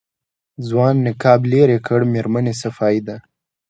ځوان نقاب لېرې کړ مېرمنې صفايي ده.